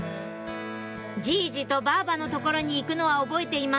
じいじとばあばの所に行くのは覚えています